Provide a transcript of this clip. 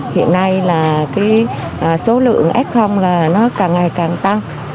hiện nay số lượng s nó càng ngày càng tăng